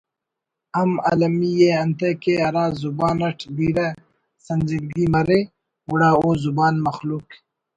ہم المی ئے انتئے کہ ہرا زبان اٹ بیرہ سنجیدگی مرے گڑا او زبان مخلوق